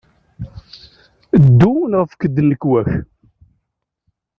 Ddu neɣ efk-d nnekwa-k!